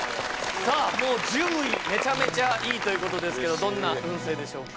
もう１０位メチャメチャいいということですけどどんな運勢でしょうか？